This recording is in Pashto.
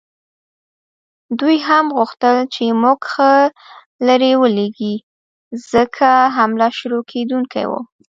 دوی هم غوښتل چې موږ ښه لرې ولیږي، ځکه حمله شروع کېدونکې وه.